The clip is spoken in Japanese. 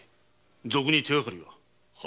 賊に手がかりは？